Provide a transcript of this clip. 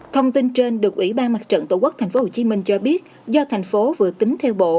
thông tin trên được ủy ban mặt trận tổ quốc tp hcm cho biết do thành phố vừa tính theo bộ